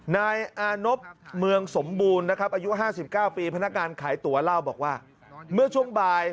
นายอานบเมืองสมบูรณ์นะครับอายุ๕๙ปีพนักงานขายตั๋วเล่าบอกว่าเมื่อช่วงบ่าย